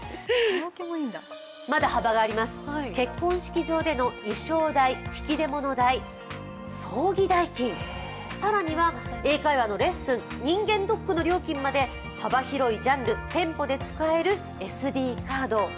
まだ幅があります、結婚式場での衣装代、引き出物代、葬儀代金、更には英会話のレッスン、人間ドックの料金まで幅広いジャンル、店舗で使えるＳＤカード。